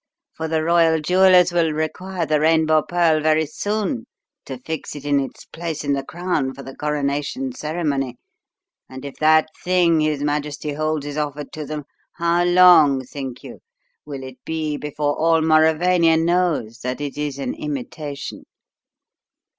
For the royal jewellers will require the Rainbow Pearl very soon to fix it in its place in the crown for the coronation ceremony, and if that thing his Majesty holds is offered to them, how long, think you, will it be before all Mauravania knows that it is an imitation?